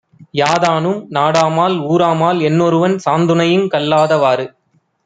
யாதானும் நாடாமால் ஊராமால் என்னொருவன் சாந்துணையுங் கல்லாதவாறு.